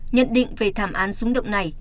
nhận định về thảm án dung động này